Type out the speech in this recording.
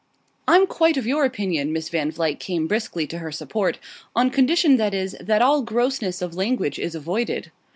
"I'm quite of your opinion," Miss Van Vluyck came briskly to her support; "on condition, that is, that all grossness of language is avoided."